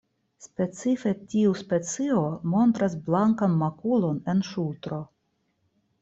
Specife tiu specio montras blankan makulon en ŝultro.